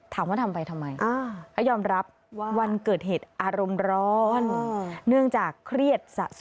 ถามว่าทำไปทำไม